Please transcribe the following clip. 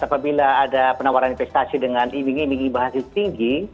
apabila ada penawaran investasi dengan iming iming bahan yang tinggi